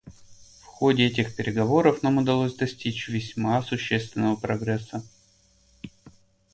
В ходе этих переговоров нам удалось достичь весьма существенного прогресса.